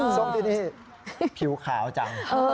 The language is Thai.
ส้มที่นี่ผิวขาวจัง